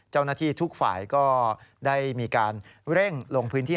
เจ้าหน้าที่ทุกฝ่ายก็ได้มีการเร่งลงพื้นที่